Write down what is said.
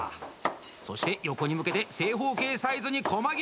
そして横に向けて正方形サイズに、こま切り！